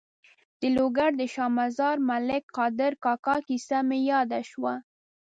د لوګر د شا مزار ملک قادر کاکا کیسه مې یاده شوه.